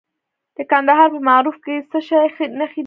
د کندهار په معروف کې د څه شي نښې دي؟